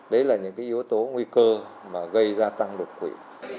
đấy là những yếu tố nguy cơ mà gây ra tăng đột quỵ